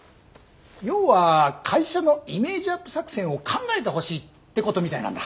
要は会社のイメージアップ作戦を考えてほしいってことみたいなんだ。